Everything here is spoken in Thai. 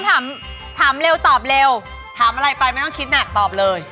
ถามเร็วตอบเร็วถามอะไรไปไม่ต้องคิดหนักตอบเลย